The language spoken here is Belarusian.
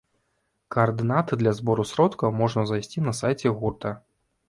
Каардынаты для збору сродкаў можна знайсці на сайце гурта.